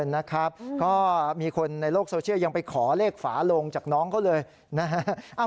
นะครับก็มีคนในโลกโซเชียลยังไปขอเลขฝาโลงจากน้องเขาเลยนะฮะ